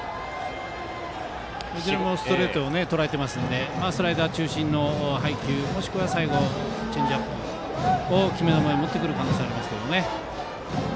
ストレートをとらえてますのでスライダー中心の配球もしくは最後、チェンジアップを決め球に持ってくる可能性はあります。